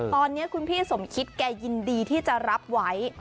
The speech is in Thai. ตอนนี้คุณพี่สมคิดแกยินดีที่จะรับไว้